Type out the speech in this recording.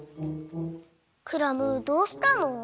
クラムどうしたの？